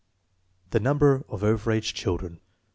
The number of over age children.